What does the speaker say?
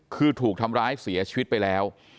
คือถูกทำร้ายเสียชีวิตไปแล้ว